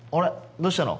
どうしたの？